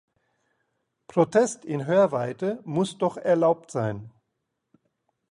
Protest in Hörweite muss doch erlaubt sein.